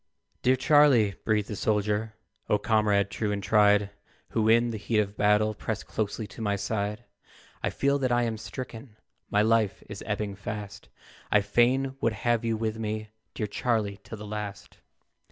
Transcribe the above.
"DEAR Charlie," breathed a soldier, "O comrade true and tried, Who in the heat of battle Pressed closely to my side; I feel that I am stricken, My life is ebbing fast; I fain would have you with me, Dear Charlie, till the last.